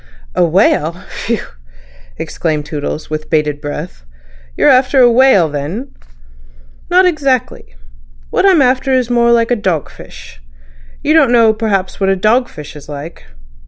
"A whale. Phew!" exclaimed Toodles, with bated breath. "You're after a whale, then?" "Not exactly. What I am after is more like a dog fish. You don't know perhaps what a dog fish is like."